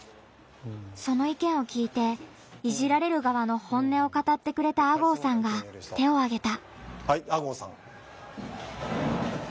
その意見を聞いていじられる側の本音を語ってくれた吾郷さんが手をあげた。